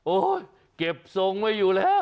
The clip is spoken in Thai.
เก็บทรงไว้อยู่แล้ว